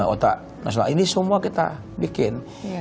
otak nasional ini semua kita bikin